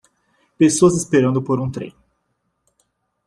Pessoas esperando por um trem.